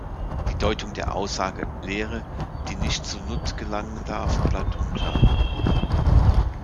Die Deutung der Aussage „Lehre, die nicht zu Nut gelangen darf“ bleibt unklar.